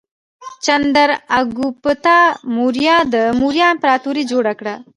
چندراګوپتا موریا د موریا امپراتورۍ جوړه کړه.